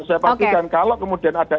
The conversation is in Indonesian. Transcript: saya pastikan kalau kemudian ada